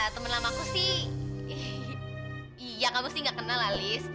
temen lama aku sih iya kamu sih gak kenal lah lis